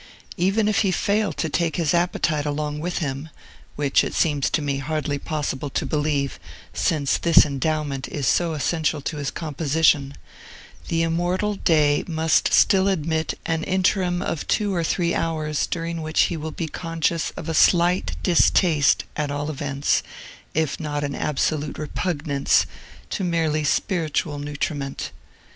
Even if he fail to take his appetite along with him (which it seems to me hardly possible to believe, since this endowment is so essential to his composition), the immortal day must still admit an interim of two or three hours during which he will be conscious of a slight distaste, at all events, if not an absolute repugnance, to merely spiritual nutriment.